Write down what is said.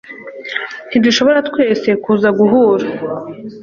ntidushobora twese kuza guhura